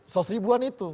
sos ribuan itu